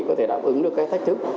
có thể đáp ứng được cái thách thức